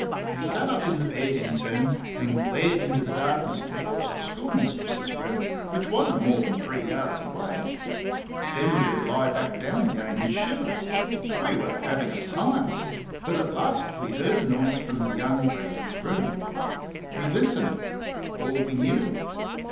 We sat up in the bed in turns, and glared into the darkness towards the schoolmistress's room, which was n't more than three yards away; then we would lie back again and shiver. We were having a time. But at last we heard a noise from the young lady's room. We listened all we knew.